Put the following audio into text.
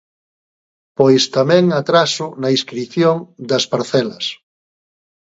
Pois tamén atraso na inscrición das parcelas.